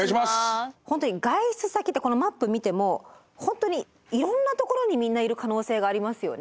本当に外出先ってこのマップ見ても本当にいろんなところにみんないる可能性がありますよね。